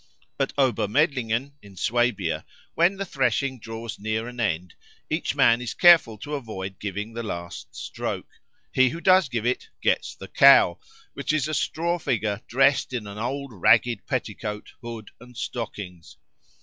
At Obermedlingen, in Swabia, when the threshing draws near an end, each man is careful to avoid giving the last stroke. He who does give it "gets the Cow," which is a straw figure dressed in an old ragged petticoat, hood, and stockings.